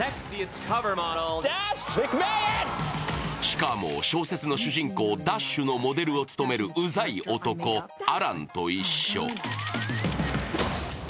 しかも、小説の主人公ダッシュのモデルを務めるウザい男アランと一緒。